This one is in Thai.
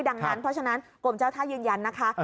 ดังนั้นเพราะฉะนั้นกรมเจ้าท่ายืนยันนะคะ